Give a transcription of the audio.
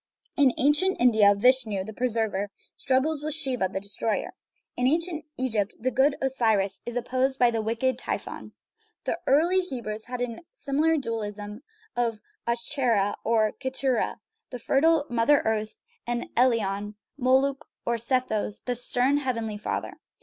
In ancient India Vishnu, the preserver, struggles with Shiva, the destroyer. In ancient Egypt the good Osiris is opposed by the wicked Typhon. The early Hebrews had a similar dualism 278 GOD AND THE WORLD of Aschera (or Keturah), the fertile mother earth, and Elion (Moloch or Sethos), the stern heavenly father.